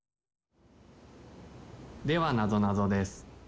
・ではなぞなぞです。